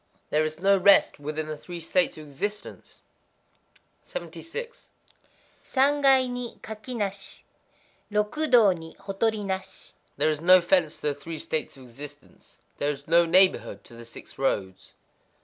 _ There is no rest within the Three States of Existence. 76.—Sangai ni kaki nashi;—Rokudō ni hotori nashi. There is no fence to the Three States of Existence;—there is no neighborhood to the Six Roads.